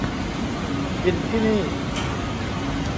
กินที่นี่